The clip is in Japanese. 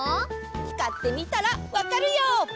つかってみたらわかるよ！